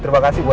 terima kasih pak